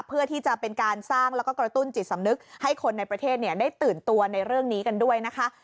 เพื่อที่จะเป็นการสร้างแล้วก็กระตุ้นจิตสำนึกให้คนในประเทศได้ตื่นตัวในเรื่องนี้กันด้วยนะคะ